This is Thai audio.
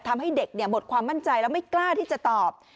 ทำให้เด็กหมดความมั่นใจแล้วไม่กล้าที่จะตอบ